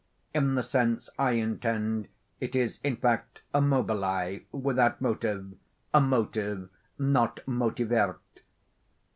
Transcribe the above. In the sense I intend, it is, in fact, a mobile without motive, a motive not motivirt.